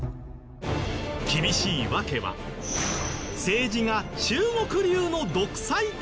厳しい訳は政治が中国流の独裁体制だから。